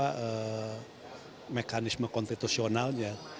sudah ada mekanisme konstitusionalnya